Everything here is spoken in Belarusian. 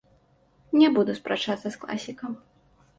Не буду спрачацца з класікам.